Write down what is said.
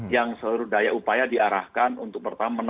yang seluruh daya upaya diarahkan untuk pertama